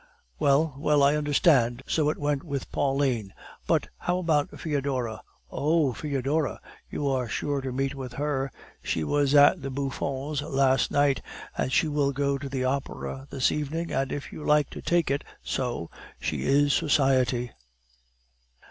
"Well, well, I understand. So it went with Pauline. But how about Foedora?" "Oh! Foedora, you are sure to meet with her! She was at the Bouffons last night, and she will go to the Opera this evening, and if you like to take it so, she is Society."